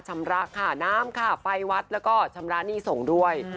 ชำระค่าน้ำค่าไฟวัดแล้วก็ชำระหนี้ส่งด้วย